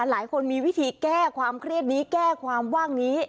หลายคนมีวิธีแก้ความเครียดนี้แก้ความว่างนี้